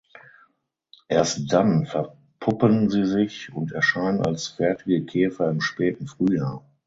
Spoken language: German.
Erst dann verpuppen sie sich und erscheinen als fertige Käfer im späten Frühjahr.